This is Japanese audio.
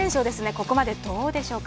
ここまでどうでしょうか？